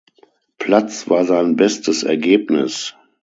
Platz war sein bestes Ergebnis.